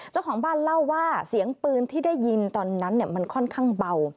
เจ้าของบ้านเล่าว่าเสียงปืนที่ได้ยินตอนนั้นมันค่อนข้างเบา